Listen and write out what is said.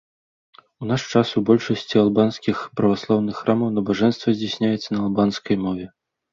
У наш час у большасці албанскіх праваслаўных храмаў набажэнства здзяйсняецца на албанскай мове.